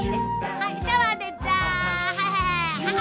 はいシャワーでザ。